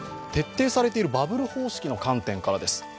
徹底されているバブル方式の観点からです。